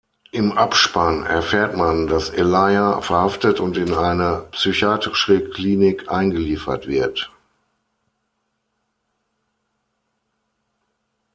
Im Abspann erfährt man, dass Elijah verhaftet und in eine psychiatrische Klinik eingeliefert wird.